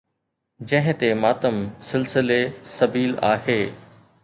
جنهن تي ماتم سلسلي سبيل آهي